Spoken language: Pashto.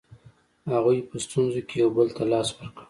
هغوی په ستونزو کې یو بل ته لاس ورکړ.